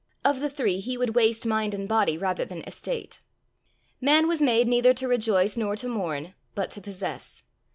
Of the three, he would waste mind and body rather than estate. Man was made neither to rejoice nor to mourn, but to possess.